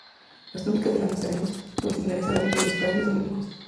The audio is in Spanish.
Las túnicas de los nazarenos son similares al hábito de los frailes dominicos.